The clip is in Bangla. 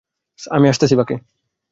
আমি আসতেছি, বাকে।